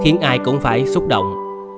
khiến ai cũng phải xúc động